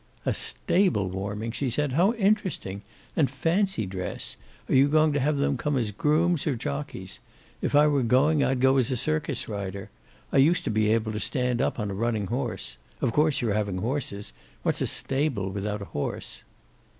"A stable warming!" she said. "How interesting! And fancy dress! Are you going to have them come as grooms, or jockeys? If I were going I'd go as a circus rider. I used to be able to stand up on a running horse. Of course you're having horses. What's a stable without a horse?"